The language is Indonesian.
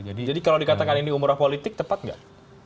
kalau dikatakan ini umrah politik tepat nggak